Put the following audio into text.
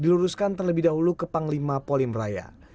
diluruskan terlebih dahulu ke panglima polim raya